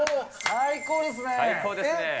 最高ですね。